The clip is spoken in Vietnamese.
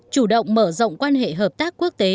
chủ động mở rộng quan hệ hợp tác quốc tế